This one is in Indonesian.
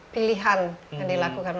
pilihan yang dilakukan